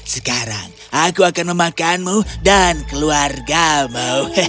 sekarang aku akan memakanmu dan keluargamu